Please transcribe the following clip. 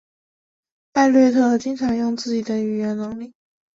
艾略特经常用自己的语言能力。